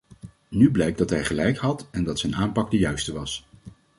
Nu blijkt dat hij gelijk had en dat zijn aanpak de juiste was.